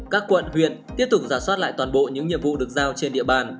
các quận huyện tiếp tục giả soát lại toàn bộ những nhiệm vụ được giao trên địa bàn